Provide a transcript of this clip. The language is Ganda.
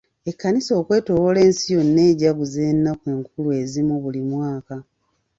Ekkanisa okwetooloola ensi yonna ejaguza ennaku enkulu ezimu buli mwaka.